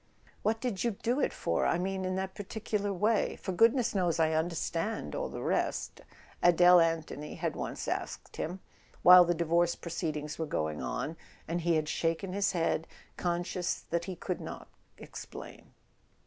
"What did you do it for—I mean in that particular way? For goodness knows I understand all the rest," Adele Anthony had once asked him, while the divorce proceedings were going on; and he had shaken his head, conscious that he could not explain.